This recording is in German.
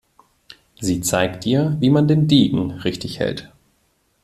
Sie zeigt ihr, wie man den Degen richtig hält.